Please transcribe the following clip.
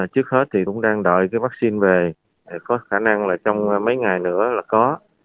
trước hết thì cũng đang đợi cái vaccine về có khả năng là trong mấy ngày nữa là có